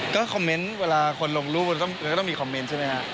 ก็คอมเมนต์เวลาคนลงรูปมันก็ต้องมีคอมเมนต์ใช่ไหมฮะ